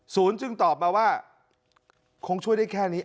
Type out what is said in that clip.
จึงตอบมาว่าคงช่วยได้แค่นี้